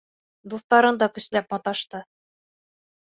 Дуҫтарын да көсләп маташты.